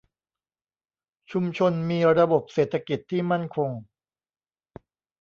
ชุมชนมีระบบเศรษฐกิจที่มั่นคง